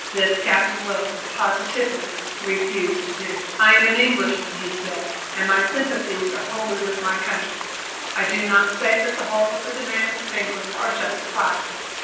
This Captain Wilson positively refused to do. "I am an Englishman," he said, "and my sympathies are wholly with my country. I do not say that the whole of the demands of England are justifiable.